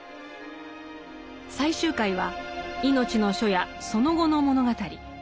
最終回は「いのちの初夜」その後の物語。